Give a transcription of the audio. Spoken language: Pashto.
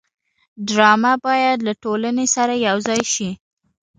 ډرامه باید له ټولنې سره یوځای شي